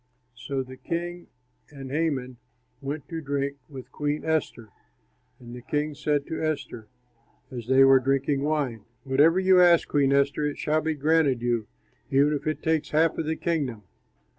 So the king and Haman went to drink with Queen Esther. And the king said to Esther, as they were drinking wine, "Whatever you ask, Queen Esther, it shall be granted you, even if it takes half of the kingdom."